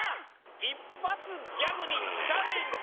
一発ギャグにチャレンジ！